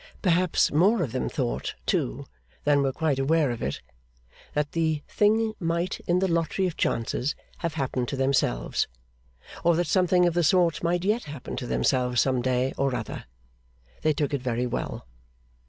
Perhaps more of them thought, too, than were quite aware of it, that the thing might in the lottery of chances have happened to themselves, or that something of the sort might yet happen to themselves some day or other. They took it very well.